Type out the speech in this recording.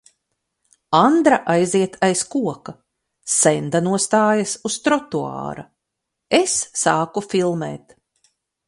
Andra aiziet aiz koka. Senda nostājas uz trotuāra. Es sāku filmēt.